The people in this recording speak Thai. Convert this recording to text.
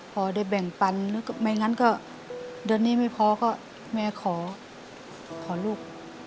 พอได้แบ่งปันไม่งั้นก็เดือนนี้ไม่พอก็แม่ขอลูก